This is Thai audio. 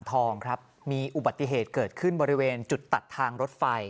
ทองครับมีอุบัติเหตุเกิดขึ้นบริเวณจุดตัดทางรถไฟ